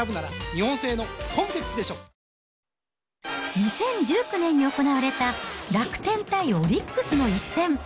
２０１９年に行われた楽天対オリックスの一戦。